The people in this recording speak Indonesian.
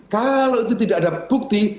kalau itu tidak ada bukti